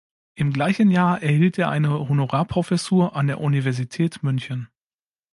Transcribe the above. Im gleichen Jahr erhielt er eine Honorarprofessur an der Universität München.